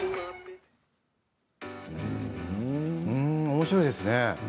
おもしろいですね。